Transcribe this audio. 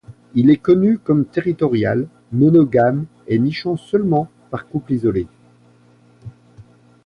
Il est connu comme territorial, monogame et nichant seulement par couple isolé.